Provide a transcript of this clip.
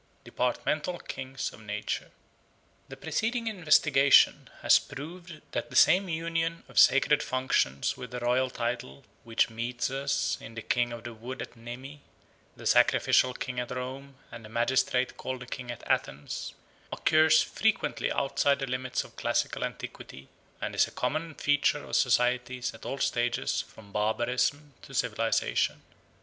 Departmental Kings of Nature THE PRECEDING investigation has proved that the same union of sacred functions with a royal title which meets us in the King of the Wood at Nemi, the Sacrificial King at Rome, and the magistrate called the King at Athens, occurs frequently outside the limits of classical antiquity and is a common feature of societies at all stages from barbarism to civilisation.